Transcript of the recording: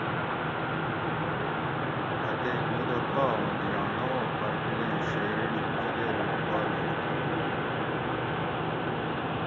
اتیک مودہ گا اوں ڈیانہ او پرتولیں شیرینڈ گلیری بابیں ہی